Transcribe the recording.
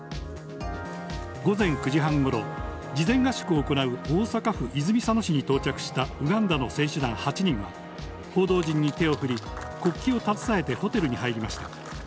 午前９時半ごろ、事前合宿を行う大阪府泉佐野市に到着したウガンダの選手団８人は、報道陣に手を振り、国旗を携えてホテルに入りました。